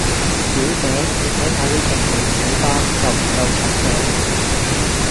小姐，妳睇下呢隻老鼠斑，夠唔夠重夠？